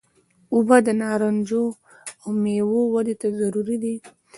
اوبه د نارنجو او میوو ودې ته ضروري دي.